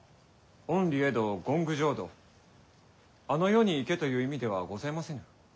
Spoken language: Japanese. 「厭離穢土欣求浄土」「あの世に行け」という意味ではございませぬ。